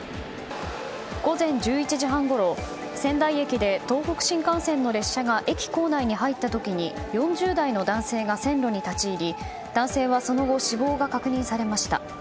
午前１１時半ごろ、仙台駅で東北新幹線の列車が駅構内に入った時に４０代の男性が線路に立ち入り男性はその後死亡が確認されました。